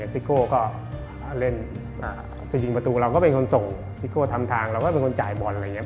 ซิกโก้ก็เล่นสยิงประตูเราก็เป็นคนส่งซิกโก้ทำทางเราก็เป็นคนจ่ายบอล